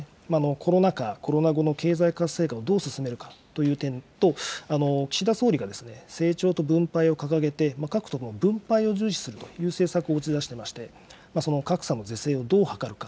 コロナ禍、コロナ後の経済活性化をどう進めるかという点と、岸田総理が成長と分配を掲げて、各党も分配を重視するという政策を打ち出してまして、その格差の是正をどう図るか。